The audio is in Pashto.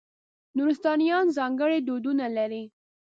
نورستانیان ځانګړي دودونه لري.